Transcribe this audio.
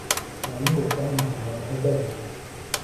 La linguetta in nylon è beige.